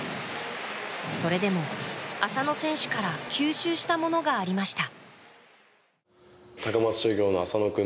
それでも浅野選手から吸収したものがありました。